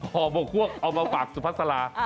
หมอกหวกเอามาปากสุภาษณา